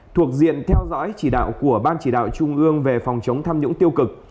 thuộc diện theo dõi chỉ đạo của ban chỉ đạo trung ương về phòng chống tham nhũng tiêu cực